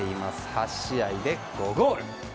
８試合で５ゴール。